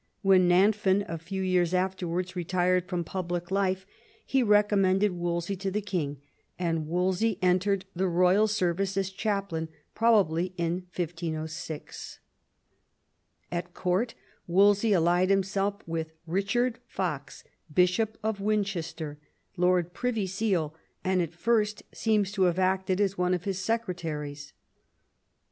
When Nanfan, a few years after wards, retired from public life, he recommended Wolsey to the king, and Wolsey entered the royal service as chaplain probably in 1606. At Court Wolsey allied himself with Eichard Fox, Bishop of Winchester, Lord Privy Seal, and at first seems to have acted as one of his secretaries.